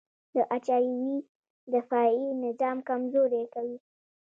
د اچ آی وي دفاعي نظام کمزوری کوي.